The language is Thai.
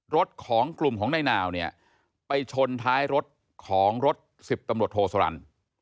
รถของกลุ่มของนายนาวเนี่ยไปชนท้ายรถของรถสิบตำรวจโทสรรค์